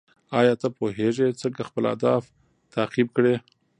ایا ته پوهېږې څنګه خپل اهداف تعقیب کړې؟